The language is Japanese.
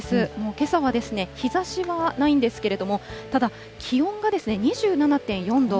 けさは、日ざしはないんですけれども、ただ、高いですね。